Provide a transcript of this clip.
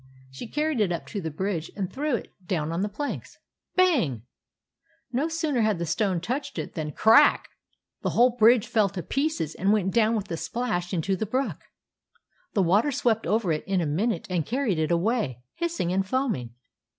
She carried it up to the bridge and threw it down on the planks — bang ! No sooner had the stone touched it than — crack ! the whole bridge fell to pieces and went down with a splash into the brook. X 38 THE ADVENTURES OF MABEL The water swept over it in a minute and carried it away, hissing and foaming.